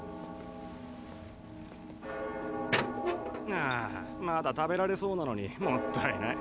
ああまだ食べられそうなのにもったいない。